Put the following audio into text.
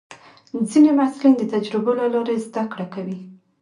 ځینې محصلین د تجربو له لارې زده کړه کوي.